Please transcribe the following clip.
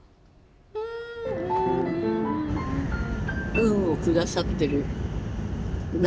運を下さってる何か。